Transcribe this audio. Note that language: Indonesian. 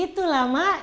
ya itulah mak